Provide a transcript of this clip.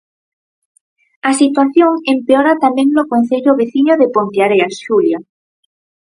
A situación empeora tamén no concello veciño de Ponteareas, Xulia.